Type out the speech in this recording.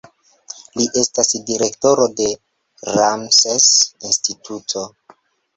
Li estas direktoro de Ramses-instituto.